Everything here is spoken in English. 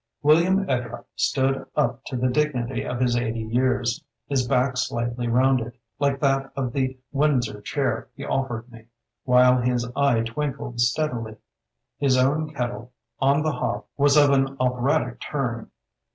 William Ed rupt stood up to the dignity of his eighty years, his back slightly rounded like that of the Windsor chair he of fered me, while his eye twinkled stead ily. His own kettle on the hob was of an operatic turn.